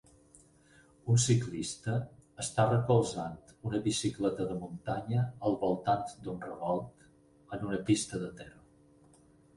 Un ciclista està recolzant una bicicleta de muntanya al voltant d'un revolt en una pista de terra.